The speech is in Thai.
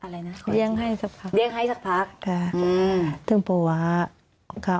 เลี้ยงให้ฝาก